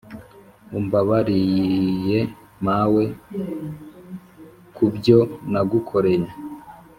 umbabarie mawe kubyo nagukoreye